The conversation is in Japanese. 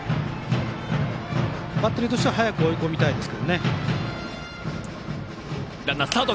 バッテリーとしては早く追い込みたいです。